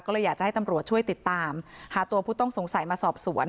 ก็เลยอยากจะให้ตำรวจช่วยติดตามหาตัวผู้ต้องสงสัยมาสอบสวน